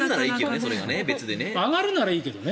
上がるならいいけどね。